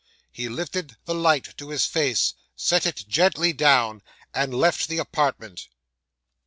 He lifted the light to his face, set it gently down, and left the apartment.